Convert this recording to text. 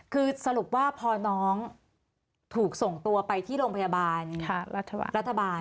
คือสรุปว่าพอน้องถูกส่งตัวไปที่โรงพยาบาลรัฐบาล